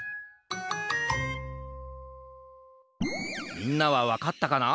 みんなはわかったかな？